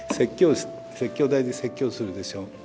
説教台で説教するでしょ。